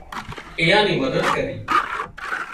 ايئان نِي مدد ڪري